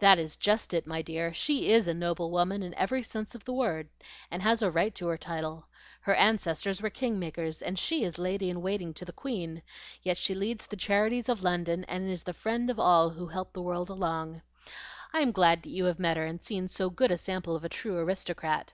"That is just it, my dear; she IS a noble woman in every sense of the word, and has a right to her title. Her ancestors were kingmakers, and she is Lady in waiting to the Queen; yet she leads the charities of London, and is the friend of all who help the world along. I'm glad you have met her, and seen so good a sample of a true aristocrat.